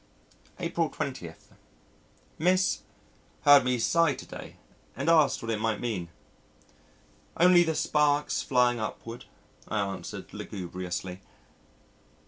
April 20. Miss heard me sigh to day and asked what it might mean. "Only the sparks flying upward," I answered lugubriously.